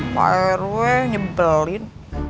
pak rw nyebelin